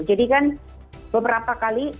jadi kan beberapa kali